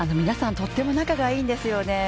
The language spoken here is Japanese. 皆さんとっても仲がいいんですよね。